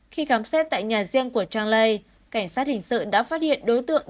khi khám xét tại nhà riêng của trang lây cảnh sát hình sự đã phát hiện đối tượng